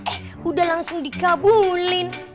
eh udah langsung dikabul